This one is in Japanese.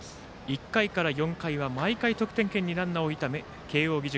１回から４回は毎回ランナーを得点圏に置いた慶応義塾。